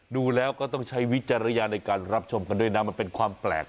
ดูแล้วก็ต้องใช้วิจารณญาณในการรับชมกันด้วยนะมันเป็นความแปลก